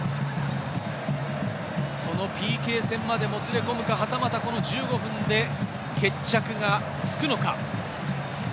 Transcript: そのＰＫ戦までもつれ込むか、はたまたこの１５分で、決着がつくのか。